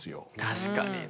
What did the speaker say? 確かにな。